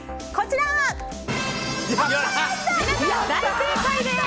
皆さん、大正解です！